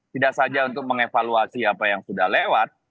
tidak saja untuk mengevaluasi apa yang sudah lewat